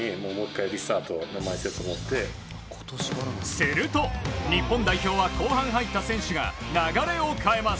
すると、日本代表は後半に入った選手が流れを変えます。